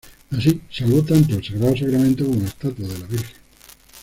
Así salvó tanto el Sagrado Sacramento como la estatua de la Virgen.